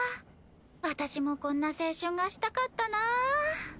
私もこんな青春がしたかったなぁ。